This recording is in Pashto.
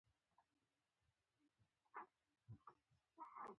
د روغتیا پاملرنې خدمات باید د ټولو لپاره مساوي وي.